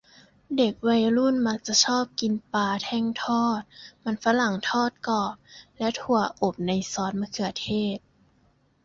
เด็กวัยรุ่นมักจะชื่นชอบกินปลาแท่งทอด มันฝรั่งทอดกรอบ และถั่วอบในซอสมะเขือเทศ